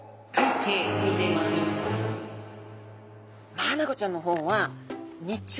マアナゴちゃんの方は日中ですね